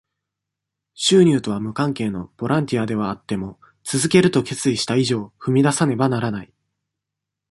収入とは無関係のボランティアではあっても、続けると決意した以上、踏み出さねばならない。